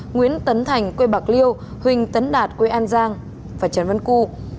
nguyễn tấn thành quê bạc liêu huỳnh tấn đạt quê an giang và trần vân cụ